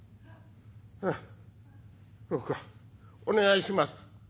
お願いします」。